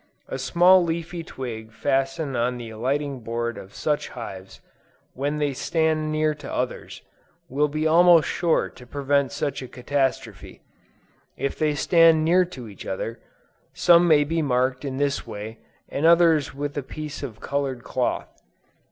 A small leafy twig fastened on the alighting board of such hives, when they stand near to others, will be almost sure to prevent such a catastrophe: if they stand near to each other, some may be marked in this way, and others with a piece of colored cloth.